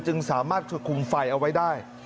จึงสามารถช่วยคุมไฟเอาไว้ได้